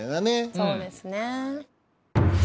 そうですね。